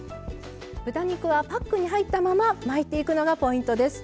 豚肉はパックに入ったまま巻いていくのがポイントです。